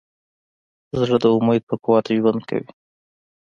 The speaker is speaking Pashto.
زړه د امید په قوت ژوند کوي.